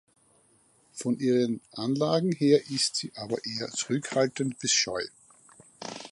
Von ihren Anlagen her ist sie aber eher zurückhaltend bis scheu.